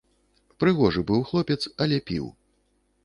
Прыгожы быў хлопец, але піў.